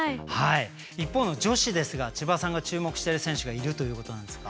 一方の女子ですが千葉さんが注目してる選手がいるということなんですが。